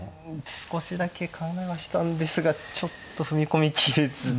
少しだけ考えはしたんですがちょっと踏み込みきれずという。